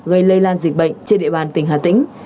gây lây lan dịch bệnh trên địa bàn tỉnh hà tĩnh